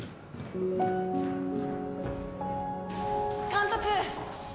監督。